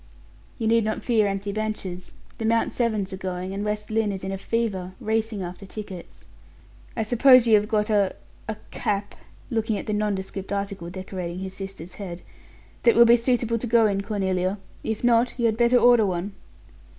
"You need not fear empty benches. The Mount Severns are going, and West Lynne is in a fever, racing after tickets. I suppose you have got a a cap," looking at the nondescript article decorating his sister's head, "that will be suitable to go in, Cornelia; if not you had better order one."